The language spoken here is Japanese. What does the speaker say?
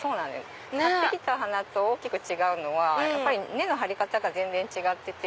買って来た花と大きく違うのはやっぱり根の張り方が違ってて。